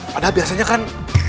padahal biasanya kan